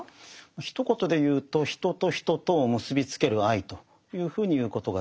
ひと言で言うと人と人とを結びつける愛というふうに言うことができます。